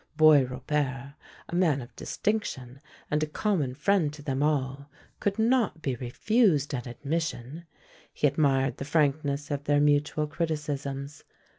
Boisrobert, a man of distinction, and a common friend to them all, could not be refused an admission; he admired the frankness of their mutual criticisms.